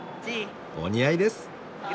お似合いです！